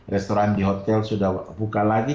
restoran di hotel sudah buka lagi